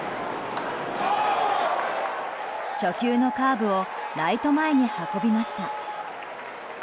初球のカーブをライト前に運びました。